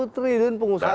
lima puluh triliun pengusaha